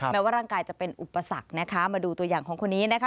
แม้ว่าร่างกายจะเป็นอุปสรรคนะคะมาดูตัวอย่างของคนนี้นะคะ